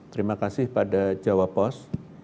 terima kasih pada jawapos